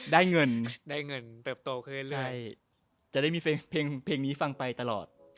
ได้เงินได้เงินเติบโตขึ้นเรื่อยจะได้มีเพลงเพลงนี้ฟังไปตลอด